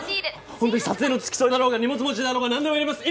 本当に撮影の付き添いだろうが荷物持ちだろうがなんでもやります。